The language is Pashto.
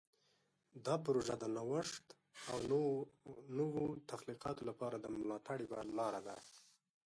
دا پروژه د نوښت او نوو تخلیقاتو لپاره د ملاتړ یوه لاره ده.